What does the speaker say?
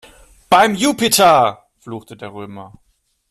"Beim Jupiter!", fluchte der Römer.